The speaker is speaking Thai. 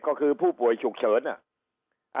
ก็คือผู้ป่วยฉุกเฉิน